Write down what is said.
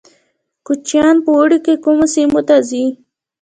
کوچیان په اوړي کې کومو سیمو ته ځي؟